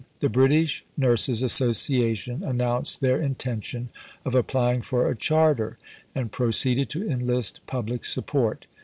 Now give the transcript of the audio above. The British Nurses Association announced their intention of applying for a Charter, and proceeded to enlist public support.